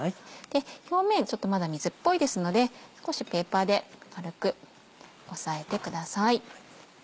表面ちょっとまだ水っぽいですので少しペーパーで軽く押さえてください。